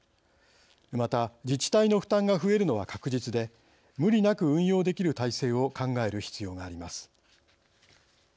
また自治体の負担が増えるのは確実で無理なく運用できる体制を考える必要があります。